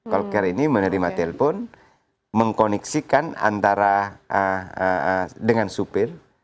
call care ini menerima telepon mengkoneksikan antara dengan supir